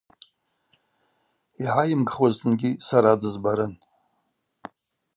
Йгӏайымгхуазтынгьи сара дызбарын.